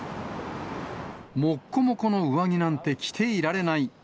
もっこもこの上着なんて着ていられない